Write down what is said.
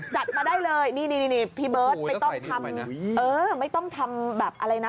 จัดมาได้เลยนี่พี่เบิร์ตไม่ต้องทำอะไรนะ